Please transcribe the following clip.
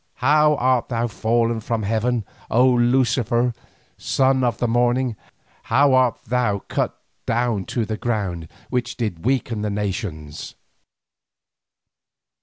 How art thou fallen from heaven, O Lucifer, son of the morning! how art thou cut down to the ground which didst weaken the nations!"